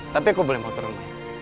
tapi aku boleh motorin